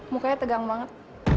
mukanya tegang banget